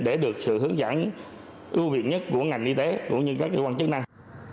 để được sự hướng dẫn ưu việt nhất của ngành y tế cũng như các cơ quan chức năng